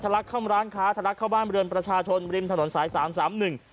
ลักเข้าร้านค้าทะลักเข้าบ้านเรือนประชาชนริมถนนสายสามสามหนึ่ง